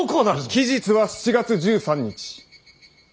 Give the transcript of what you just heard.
期日は７月１３日。